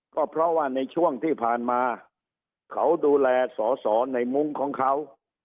ก็เพราะว่าในช่วงที่ผ่านมาเขาดูแลสอสอในมุ้งของเขา